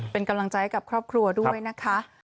เป็นกำลังใจกับครอบครัวด้วยนะคะ